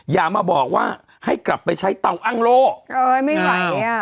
อย่ามาบอกว่าให้กลับไปใช้เตาอ้างโล่เอ้ยไม่ไหวอ่ะ